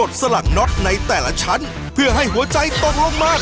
โชคความแม่นแทนนุ่มในศึกที่๒กันแล้วล่ะครับ